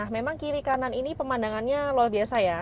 memang kiri kanan ini pemandangannya luar biasa ya